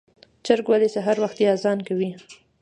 چرګ ولې سهار وختي اذان کوي؟